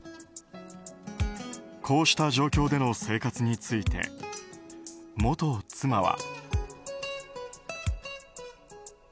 こうした状況での生活について元妻は。